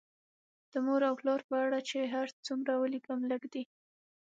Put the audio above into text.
د مور او پلار په اړه چې هر څومره ولیکم لږ دي